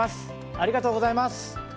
ありがとうございます。